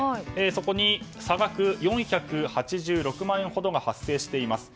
そこに差額４８６万ほどが発生しています。